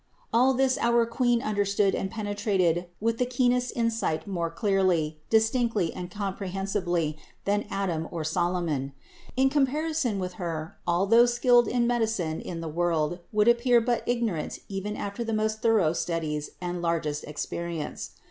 All this our Queen understood and penetrated with the keenest insight more clearly, distinctly and comprehensibly than Adam or Solomon. In comparison with Her all those skilled in medicine in the world would appear but ignorant even after the most thorough studies and largest experience.